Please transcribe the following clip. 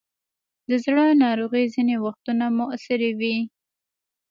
د زړه ناروغۍ ځینې وختونه موروثي وي.